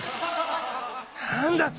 何だと！